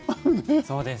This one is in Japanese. そうですね。